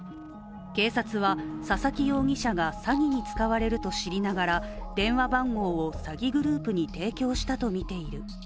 警察は、佐々木容疑者が詐欺に使われると知りながら電話番号を詐欺グループに提供したとみている。